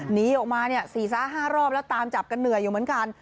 หนีออกมา๔๕รอบแล้วตามจับกันเหนื่อยอยู่เหมือนกัน